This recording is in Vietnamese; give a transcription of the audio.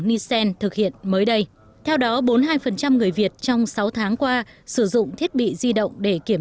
nisen thực hiện mới đây theo đó bốn mươi hai người việt trong sáu tháng qua sử dụng thiết bị di động để kiểm